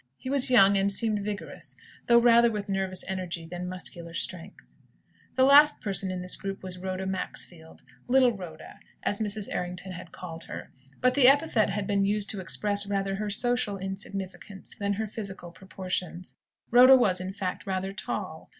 He was young, and seemed vigorous, though rather with nervous energy than muscular strength. The last person in the group was Rhoda Maxfield "little Rhoda," as Mrs. Errington had called her. But the epithet had been used to express rather her social insignificance, than her physical proportions. Rhoda was, in fact, rather tall.